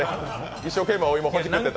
一生懸命お芋、ほじくってる。